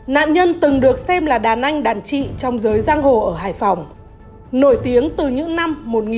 nạn nhân từng được xem là đàn anh đàn chị trong giới giang hồ ở hài phòng nổi tiếng từ những năm một nghìn chín trăm chín mươi bốn một nghìn chín trăm chín mươi năm